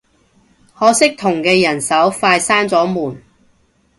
可惜同嘅人手快閂咗門